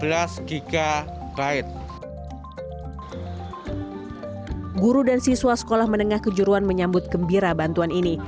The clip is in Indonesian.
ketika siswa menanggung kejuruan guru dan siswa sekolah menanggung kejuruan menyambut gembira bantuan ini